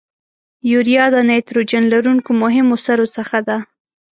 یوریا د نایتروجن لرونکو مهمو سرو څخه ده.